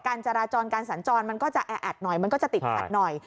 การจราจรการสัญจรมันก็จะแออัดหน่อยมันก็จะติดขัดหน่อย